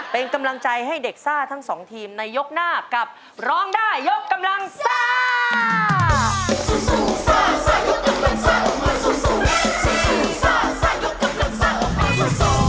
เป็นกำลังใจให้เด็กซ่าทั้งสองทีมในยกหน้ากับร้องได้ยกกำลังซ่า